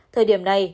thời điểm này